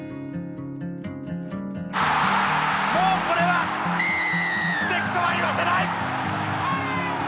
もうこれは奇跡とは言わせない！